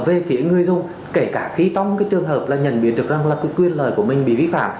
về phía người dùng kể cả khi trong trường hợp là nhận được quyền lời của mình bị vi phạm